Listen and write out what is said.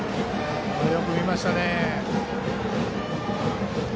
よく見ましたね。